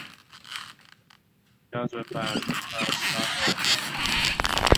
标准版收录了十八首曲目。